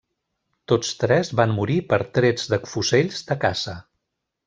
Tots tres van morir per trets de fusells de caça.